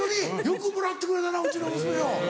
「よくもらってくれたなうちの娘を」。